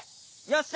よし！